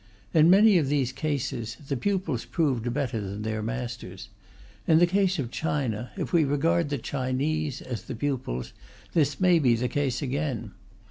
In many of these cases, the pupils proved better than their masters. In the case of China, if we regard the Chinese as the pupils, this may be the case again.